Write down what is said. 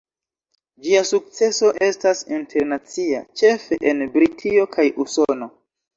Ĝia sukceso estas internacia, ĉefe en Britio kaj Usono.